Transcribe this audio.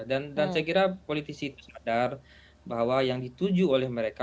dan saya kira politisi sadar bahwa yang dituju oleh mereka